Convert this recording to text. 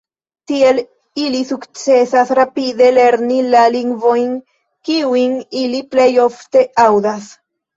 Tiel ili sukcesas rapide lerni la lingvojn, kiujn ili plej ofte aŭdas.